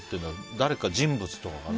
誰か、人物とかかな。